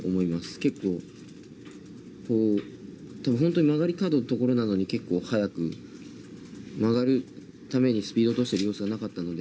結構、こう、本当に曲がり角の所なのに、速く、曲がるためにスピード落としてる様子がなかったので。